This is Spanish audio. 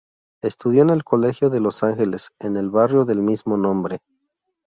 Estudió en el Colegio de Los Ángeles, en el barrio del mismo nombre.